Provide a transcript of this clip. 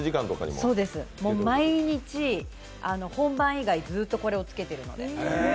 毎日、本番以外ずっとこれをつけているので。